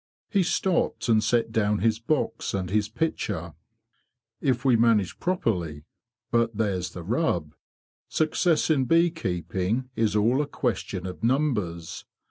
He stopped and set down his box and his pitcher. "Tf we managé properly. But there's the rub. Success in bee keeping is all a question of numbers.